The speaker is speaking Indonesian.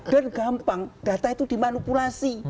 karena gampang data itu dimanipulasi